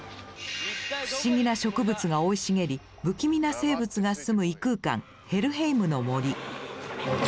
不思議な植物が生い茂り不気味な生物がすむ異空間「ヘルヘイムの森」。